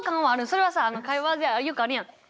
それはさ会話ではよくあるやん。